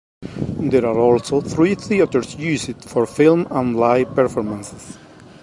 There are also three theaters used for film and live performances.